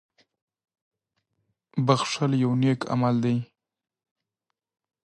• بښل یو نېک عمل دی.